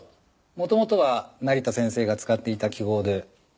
もともとは成田先生が使っていた記号で。